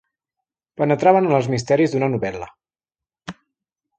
Penetraven en els misteris d'una novel·la.